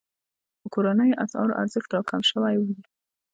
د کورنیو اسعارو ارزښت راکم شوی وي.